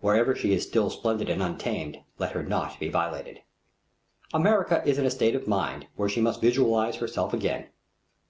Wherever she is still splendid and untamed, let her not be violated. America is in the state of mind where she must visualize herself again.